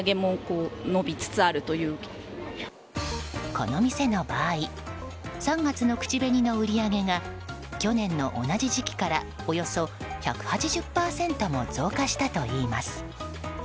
この店の場合３月の口紅の売り上げが去年の同じ時期からおよそ１８０％も増加したといいます。